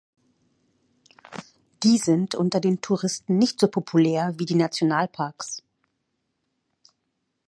Die sind unter den Touristen nicht so populär wie die Nationalparks.